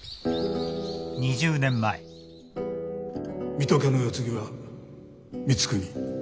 水戸家の世継ぎは光圀お前じゃ。